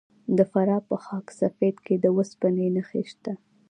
د فراه په خاک سفید کې د وسپنې نښې شته.